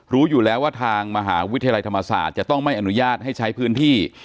รู้อยู่แล้วว่าทางมหาวิทยาลัยธรรมศาสตร์จะต้องไม่อนุญาตให้ใช้พื้นที่